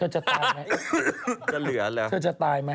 เจ้าจะตายไหม